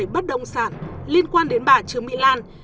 một hai trăm ba mươi bảy bất động sản liên quan đến bà trương mỹ lan